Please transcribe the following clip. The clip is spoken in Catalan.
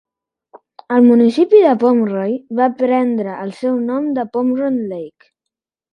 El municipi de Pomroy va prendre el seu nom de Pomroy Lake.